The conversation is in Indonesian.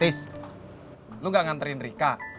tis lu gak nganterin rika